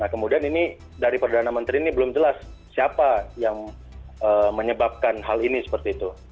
nah kemudian ini dari perdana menteri ini belum jelas siapa yang menyebabkan hal ini seperti itu